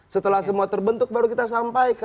setelah semua terbentuk baru kita sampaikan